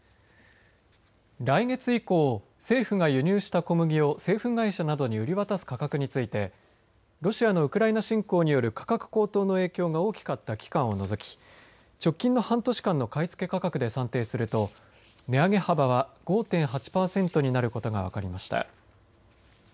来月以降、政府が輸入した小麦を製粉会社などに売り渡す価格についてロシアのウクライナ侵攻による価格高騰の影響が大きかった期間を除き直近の半年間の買い付け価格で算定すると値上げ幅は５．８パーセントになることが分かりました。